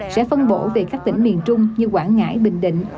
sẽ phân bổ về các tỉnh miền trung như quảng ngãi bình định